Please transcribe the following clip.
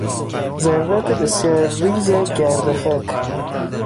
ذرات بسیار ریز گرد و خاک